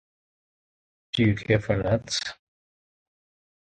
Do you care for nuts?